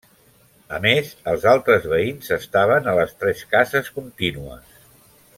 A més els altres veïns estaven a les tres cases contínues.